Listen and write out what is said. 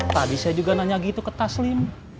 tadi saya juga nanya gitu ke taslim